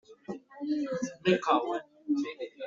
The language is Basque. Kontzientzia hartuz, pixkanaka pausoak eman ditugu.